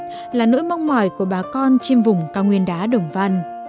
nhưng có thể là một trong những công trình nổi tiếng của bà con trên vùng cao nguyên đá đồng văn